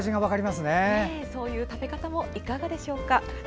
そういう食べ方もいかがでしょうか。